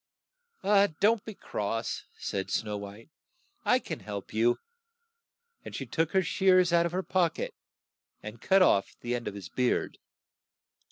" "Don't be cross," said Snow White. I can help you," and she took her shears out of her pock et and cut off the end of his beard.